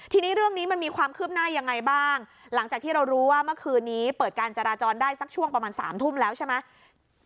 ทีนี้เรื่องนี้มันมีความคืบหน้ายังไงบ้างหลังจากที่เรารู้ว่าเมื่อคืนนี้เปิดการจราจรได้สักช่วงประมาณ๓ทุ่มแล้วใช่ไหม